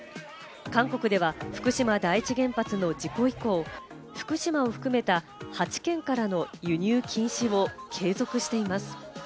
韓国では福島第一原発の事故以降、福島を含めた８県からの輸入禁止を継続しています。